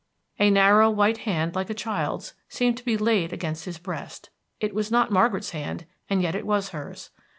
A narrow white hand, like a child's, seemed to be laid against his breast. It was not Margaret's hand, and yet it was hers.